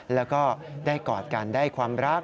แล้วก็ได้กอดกันได้ความรัก